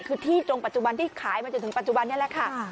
คือที่จงปัจจุบันที่ขายมาจนถึงปัจจุบันนี้แหละค่ะ